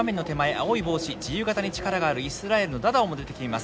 青い帽子自由形に力があるイスラエルのダダオンも出てきています。